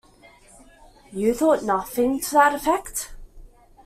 You thought nothing to that effect?